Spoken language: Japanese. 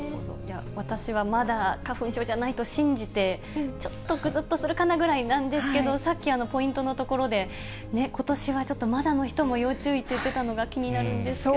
私はまだ花粉症じゃないと信じて、ちょっとぐずっとするかなぐらいなんですけど、さっきポイントのところで、ことしはちょっと、まだの人も要注意って言ってたのが気になるんですけども。